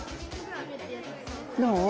どう？